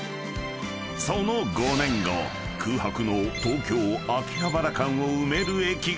［その５年後空白の東京・秋葉原間を埋める駅が誕生する］